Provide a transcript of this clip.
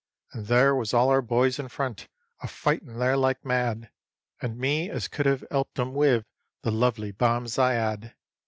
And there was all our boys in front, a fightin' there like mad, And me as could 'ave 'elped 'em wiv the lovely bombs I 'ad.